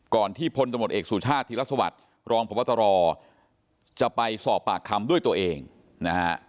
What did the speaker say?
ก่อนที่พลตมตเอกสูตรศาสตร์ธิรัฐสวรรค์รองประวัตรรอร์จะไปสอบปากคำด้วยตัวเองนะฮะ